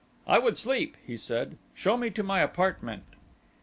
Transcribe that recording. "I would sleep," he said, "show me to my apartment."